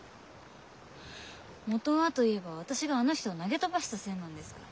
元はと言えば私があの人を投げ飛ばしたせいなんですから。